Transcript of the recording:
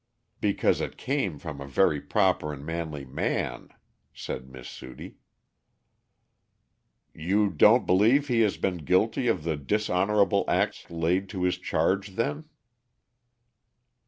"Because it came from a very proper and manly man," said Miss Sudie. "You don't believe he has been guilty of the dishonorable acts laid to his charge, then?"